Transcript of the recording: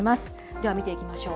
では、見ていきましょう。